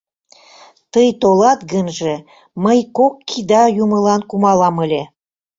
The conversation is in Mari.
Тый толат гынже, мый кок кида юмылан кумалам ыле!..